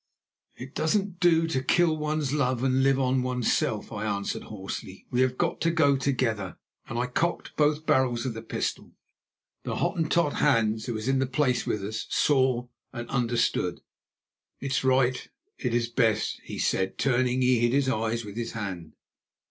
"It doesn't do to kill one's love and live on oneself," I answered hoarsely. "We have got to go together," and I cocked both barrels of the pistol. The Hottentot, Hans, who was in the place with us, saw and understood. "It is right, it is best!" he said; and turning, he hid his eyes with his hand.